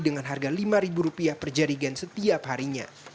dengan harga lima ribu rupiah per jarigan setiap harinya